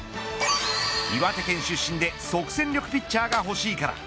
岩手県出身で即戦力ピッチャーが欲しいから。